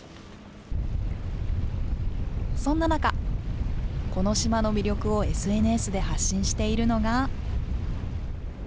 そんな中、この島の魅力をＳＮＳで発信しているのが。